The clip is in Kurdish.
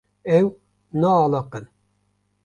Ew naaliqin.